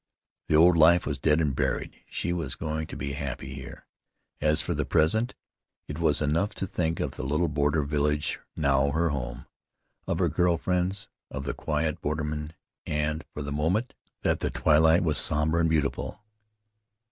The old life was dead and buried. She was going to be happy here. As for the present, it was enough to think of the little border village, now her home; of her girl friends; of the quiet borderman: and, for the moment, that the twilight was somber and beautiful.